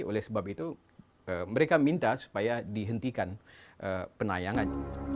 oleh sebab itu mereka minta supaya dihentikan penayangan